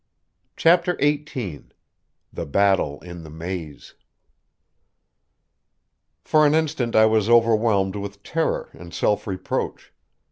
CHAPTER XVIII THE BATTLE IN THE MAZE For an instant I was overwhelmed with terror and self reproach.